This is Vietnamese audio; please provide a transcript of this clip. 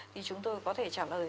thì chúng tôi có thể trả lời